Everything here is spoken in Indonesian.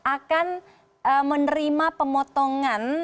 akan menerima pemotongan